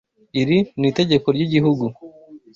Iri ni itegeko ryigihugu.